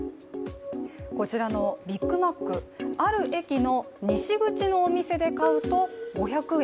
こちらのビッグマックある駅の西口のお店で買うと５００円。